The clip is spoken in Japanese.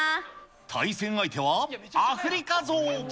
対戦相手は、アフリカゾウ。